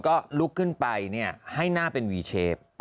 ก็ลุกขึ้นไปให้หน้าเป็นวีเชฟ